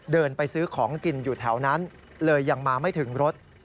เดินไปซื้อของกินอยู่แถวนั้นเลยยังมาไม่ถึงรถ